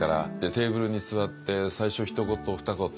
テーブルに座って最初ひと言ふた言